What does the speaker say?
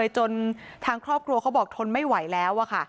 จนทางครอบครัวเขาบอกทนไม่ไหวแล้วค่ะ